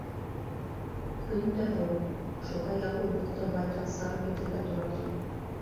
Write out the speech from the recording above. Көн дә һыуыҡ, шуға яғыулыҡ та байтаҡ сарыф итергә тура килә.